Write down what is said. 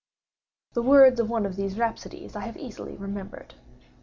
The words of one of these rhapsodies I have easily remembered.